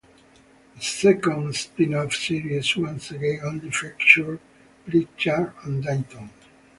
The second spin-off series once again only featured Pritchard and Dainton.